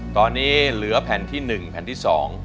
ตอนนี้เหลือแผ่นที่๑แผ่นที่๒